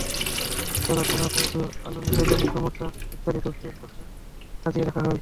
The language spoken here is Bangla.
রেস্তোরাঁয় চানা পেঁয়াজু, আলুনি, বেগুনি, সমুচা ইত্যাকার দ্রব্যের পসরা সাজিয়ে রাখা হয়।